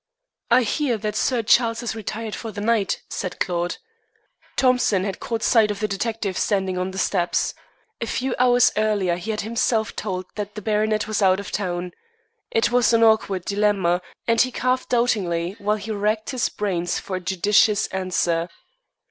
"I hear that Sir Charles has retired for the night," said Claude. Thompson had caught sight of the detective standing on the steps. A few hours earlier he had himself told him that the baronet was out of town. It was an awkward dilemma, and he coughed doubtingly while he racked his brains for a judicious answer.